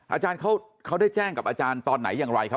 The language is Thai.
อาจารย์เขาได้แจ้งกับอาจารย์ตอนไหนอย่างไรครับ